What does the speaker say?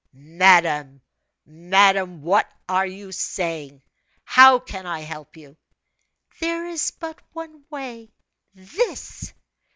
"Madame, madame I what are you saying? How can I help you?" "There is but one way this!"